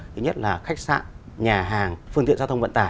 thứ nhất là khách sạn nhà hàng phương tiện giao thông vận tải